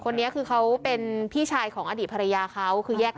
เนี่ยค่ะเขาเป็นพี่ชายของอดีตพี่ชายภรรยาหรือนะครับ